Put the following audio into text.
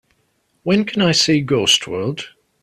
When can I see Ghost World